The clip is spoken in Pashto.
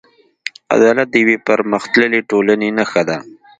عدالت د یوې پرمختللې ټولنې نښه ده.